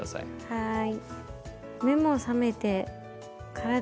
はい。